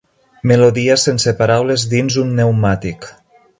Melodia sense paraules dins d'un pneumàtic.